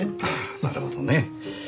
なるほどね。